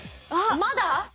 まだ？